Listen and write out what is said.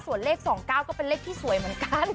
ส่วนเลข๒๙ก็เป็นเลขที่สวยเหมือนกัน